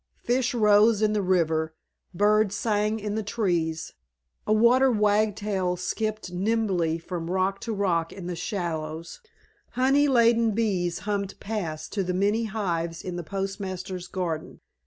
Fish rose in the river; birds sang in the trees; a water wagtail skipped nimbly from rock to rock in the shallows; honey laden bees hummed past to the many hives in the postmaster's garden.